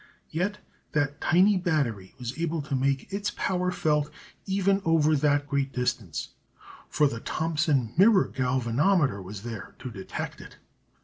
Yet that tiny battery was able to make its power felt even over that great distance, for the Thomson Mirror Galvanometer was there to detect it.